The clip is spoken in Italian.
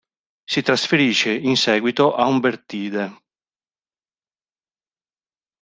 Si trasferisce in seguito a Umbertide.